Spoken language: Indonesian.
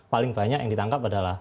paling banyak yang ditangkap adalah